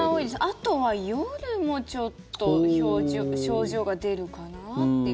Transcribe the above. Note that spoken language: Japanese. あとは夜もちょっと症状が出るかなっていう。